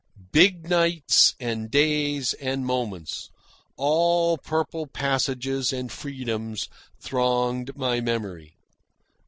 Big nights and days and moments, all purple passages and freedoms, thronged my memory.